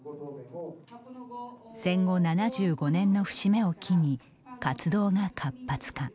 戦後７５年の節目を機に活動が活発化。